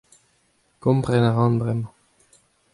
Kompren a ran bremañ.